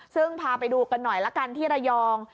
ซึ่งพาไปดูกันหน่อยละกันที่ระยอง